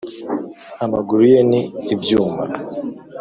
amaguru ye ni ibyuma